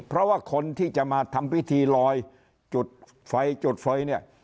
เพราะว่าคนที่จะมาทำพิธีลอยจุดไฟจุดไฟเนี่ย